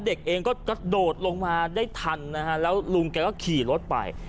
เด็กเองก็กระโดดลงมาได้ทันนะฮะแล้วลุงแกก็ขี่รถไป